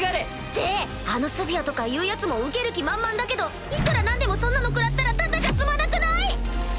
ってあのスフィアとかいうヤツも受ける気満々だけどいくら何でもそんなの食らったらタダじゃ済まなくない⁉